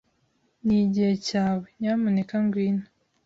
Nigihe cyawe. Nyamuneka ngwino.